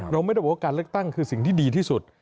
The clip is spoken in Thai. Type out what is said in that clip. เราไม่ได้บอกว่าการเลือกตั้งคือสิ่งที่ดีที่สุด